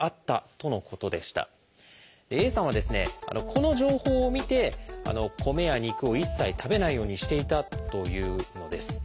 この情報を見て米や肉を一切食べないようにしていたというのです。